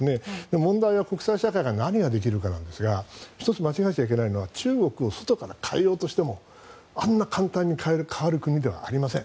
問題は国際社会が何ができるかなんですが１つ間違えちゃいけないのは中国を外から変えようとしてもあんな簡単に変わる国ではありません。